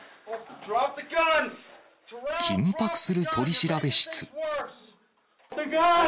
緊迫する取調室。